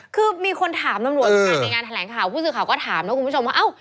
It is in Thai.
คือมีคนถามตำรวจค่ะในงานแถลงข่าวผู้สื่อข่าวก็ถามนะคุณผู้ชมว่าเอ้า